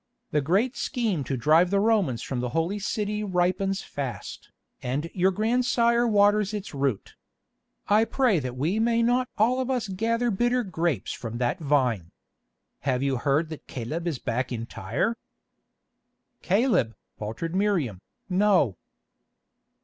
"The great scheme to drive the Romans from the Holy City ripens fast, and your grandsire waters its root. I pray that we may not all of us gather bitter grapes from that vine. Have you heard that Caleb is back in Tyre?" "Caleb!" faltered Miriam, "No."